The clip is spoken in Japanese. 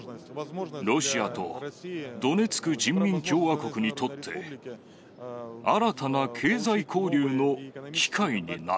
ロシアとドネツク人民共和国にとって、新たな経済交流の機会にな